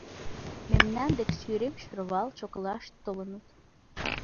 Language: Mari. Мемнан дек сӱрем шӧрвал чоклаш толыныт.